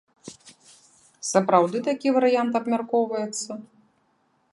Сапраўды такі варыянт абмяркоўваецца?